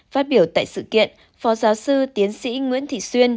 phát biểu tại sự kiện phó giáo sư tiến sĩ nguyễn thị xuyên